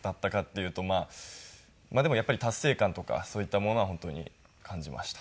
でもやっぱり達成感とかそういったものは本当に感じました。